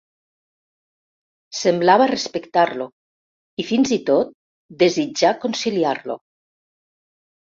Semblava respectar-lo i fins i tot desitjar conciliar-lo.